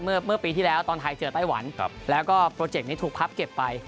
เมื่อปีที่แล้วตอนไทยเจอไต้หวันแล้วก็โปรเจกต์นี้ถูกพับเก็บไป